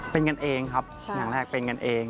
เป็นกันเองครับอย่างแรกเป็นกันเอง